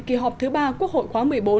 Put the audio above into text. kỳ họp thứ ba quốc hội khóa một mươi bốn